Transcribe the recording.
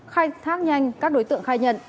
khai thác nhanh các đối tượng khai nhận